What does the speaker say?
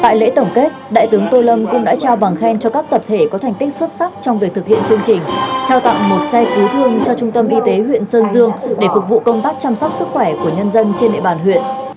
tại lễ tổng kết đại tướng tô lâm cũng đã trao bằng khen cho các tập thể có thành tích xuất sắc trong việc thực hiện chương trình trao tặng một xe cứu thương cho trung tâm y tế huyện sơn dương để phục vụ công tác chăm sóc sức khỏe của nhân dân trên địa bàn huyện